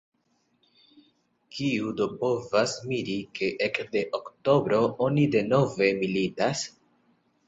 Kiu do povas miri, ke ekde oktobro oni denove militas?